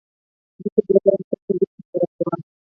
دوی په دې ډول خپل تولید ترسره کاوه